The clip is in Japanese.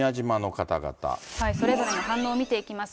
それぞれの反応見ていきます。